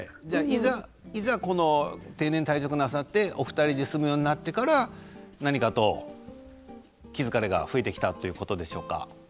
いざ定年退職なさってお二人で住むようになってからは何かと気疲れが増えてきたということでしょうか。